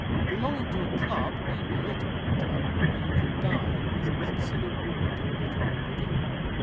Belonging to a club even a literary club where you can dine is absolute ruin to the literary beginner.